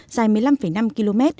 dài một mươi năm năm km